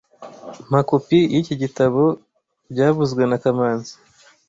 Mpa kopi yiki gitabo byavuzwe na kamanzi